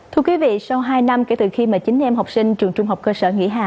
thưa quý vị sau hai năm kể từ khi mà chín em học sinh trường trung học cơ sở nghĩa hà